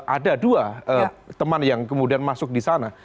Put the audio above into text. ada dua teman yang kemudian masuk di sana